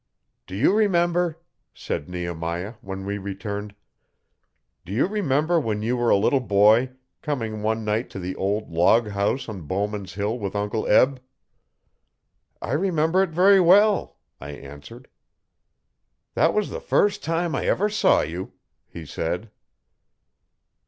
'Do you remember?' said Nehemiah, when we returned. 'Do you remember when you were a little boy, coming one night to the old log house on Bowman's Hill with Uncle Eb? 'I remember it very well,' I answered. 'That was the first time I ever saw you,' he said.